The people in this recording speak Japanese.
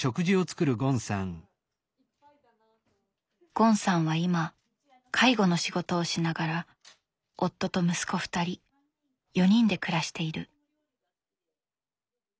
ゴンさんは今介護の仕事をしながら夫と息子２人４人で暮らしている。